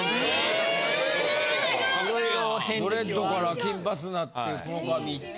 ドレッドから金髪なって黒髪いって。